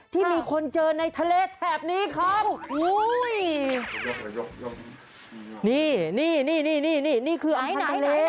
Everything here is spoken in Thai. นี่นี่คืออำพันธุ์ทะเล